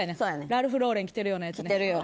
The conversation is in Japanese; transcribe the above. ラルフローレン着てるような。